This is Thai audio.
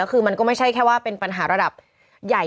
คือมันก็ไม่ใช่แค่ว่าเป็นปัญหาระดับใหญ่